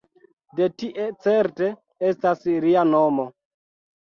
De tie certe estas lia nomo.